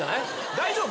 大丈夫？